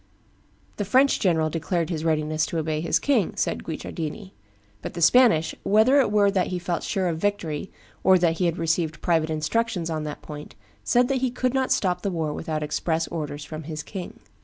"The French general declared his readiness to obey his king," says Guicciardini; "but the Spanish, whether it were that he felt sure of victory or that he had received private instructions on that point, said that he could not stop the war without express orders from his king."